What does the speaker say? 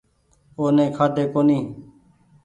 او ني کآۮي ڪونيٚ